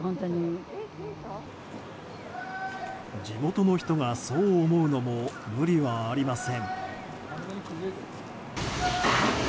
地元の人がそう思うのも無理はありません。